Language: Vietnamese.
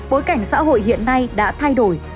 bối cảnh xã hội hiện nay đã thay đổi